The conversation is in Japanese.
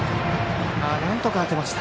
なんとか当てました。